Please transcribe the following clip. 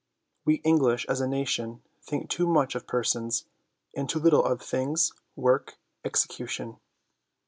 We English, as a nation, think too much of persons, and too little of things, work, execution.